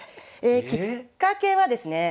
きっかけはですね